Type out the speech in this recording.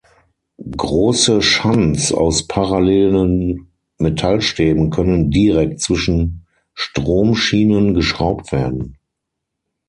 Große Shunts aus parallelen Metallstäben können direkt zwischen Stromschienen geschraubt werden.